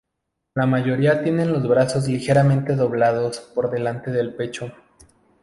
La mayoría tienen los brazos ligeramente doblados, por delante del pecho.